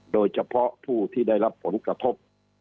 โดยเฉพาะผู้ที่ได้รับผลกระทบ